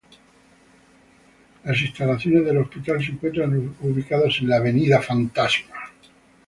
Las instalaciones del hospital se encuentran ubicadas en Av.